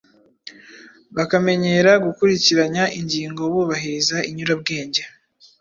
bakamenyera gukurikiranya ingingo bubahiriza inyurabwenge